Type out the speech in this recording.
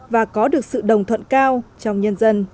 và có được sự đồng thuận cao trong nhân dân